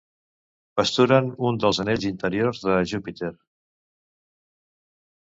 Pasturen un dels anells interiors de Júpiter.